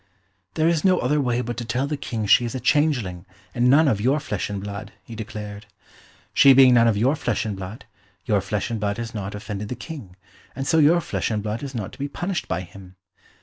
"There is no other way but to tell the King she is a changeling, and none of your flesh and blood," he declared. "She being none of your flesh and blood, your flesh and blood has not offended the King, and so your flesh and blood is not to be punished by him.